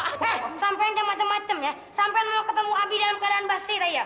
hei sampein yang macem macem ya sampein mau ketemu abi dalam keadaan basir ayo